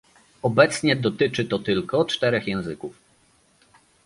Obecnie dotyczy to tylko czterech języków